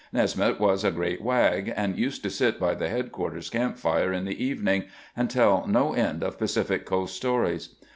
Nesmith was a great wag, and used to sit by the headquarters camp fire in the evening, and tell no end of Pacific coast stories.